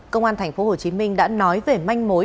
công an tp hcm đã nói về manh mối